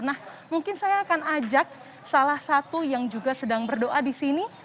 nah mungkin saya akan ajak salah satu yang juga sedang berdoa di sini